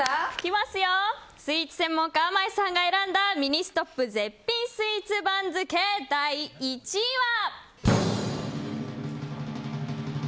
スイーツ専門家あまいさんが選んだミニストップ絶品スイーツ番付第１位は。